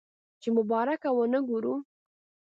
چې مبارکه ونه وګورو.